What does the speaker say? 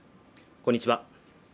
こんにちは